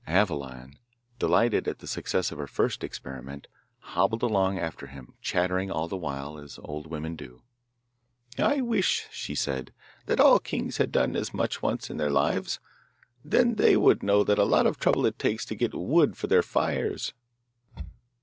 Aveline, delighted at the success of her first experiment, hobbled along after him, chattering all the while, as old women do. 'I wish,' she said, 'that all kings had done as much once in their lives. Then they would know what a lot of trouble it takes to get wood for their fires.